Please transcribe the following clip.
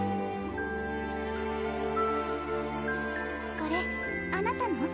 これあなたの？